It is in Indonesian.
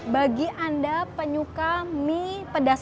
bagi anda penyuka mie pedas